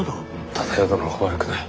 忠世殿は悪くない。